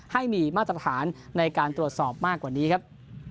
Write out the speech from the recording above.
ให้มีมาตรฐานในการตรวจสอบมากกว่านี้ครับ